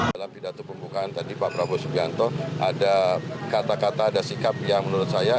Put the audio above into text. dalam pidato pembukaan tadi pak prabowo subianto ada kata kata ada sikap yang menurut saya